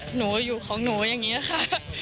หนูอยู่ของหนูอย่างนี้ค่ะ